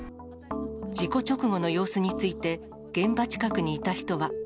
事故直後の様子について、現場近くにいた人は。